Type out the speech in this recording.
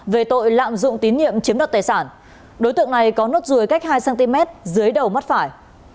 về tội lạm dụng tín nhiệm chiếm đoạt tài sản đối tượng này có nốt ruồi cách hai cm dưới đầu mắt phải